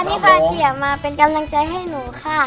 ที่พาเจียมาเป็นกำลังใจให้หนูค่ะ